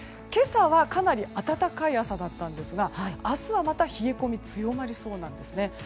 今朝は、かなり暖かい朝だったんですが明日はまた冷え込み強まりそうです。